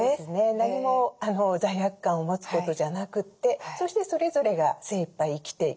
何も罪悪感を持つことじゃなくてそしてそれぞれが精いっぱい生きていく。